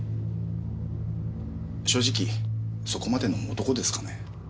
正直そこまでの男ですかね。